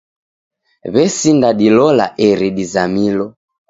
W'esinda dilola eri dizamilo.